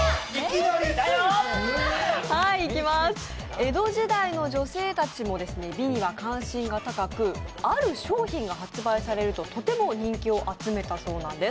江戸時代の女性たちも美には関心が高くある商品が発売されると、とても人気を集めたそうなんです。